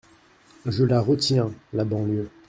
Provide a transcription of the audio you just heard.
Je la retiens, la banlieue !